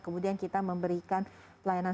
kemudian kita memberikan pelayanan